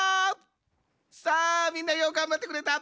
さあみんなようがんばってくれた。